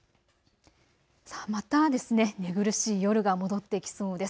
また寝苦しい夜が戻ってきそうです。